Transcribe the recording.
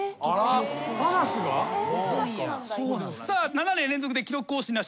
７年連続で記録更新なし。